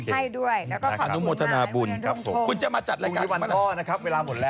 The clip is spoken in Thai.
แล้วก็ฝานุโมธนาบุญครับผมถูกลงคุณจะมาจัดรายการป่ะ